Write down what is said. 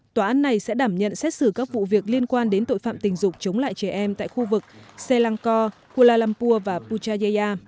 tòa án này sẽ đảm nhận xét xử các vụ việc liên quan đến tội phạm tình dục chống lại trẻ em tại khu vực selangor kuala lumpur và puchaya